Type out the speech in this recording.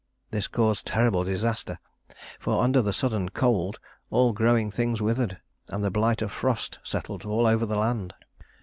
This caused terrible disaster, for under the sudden cold all growing things withered, and the blight of frost settled over all the land.